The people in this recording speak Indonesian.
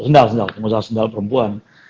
sendal sendal pengusaha sendal perempuan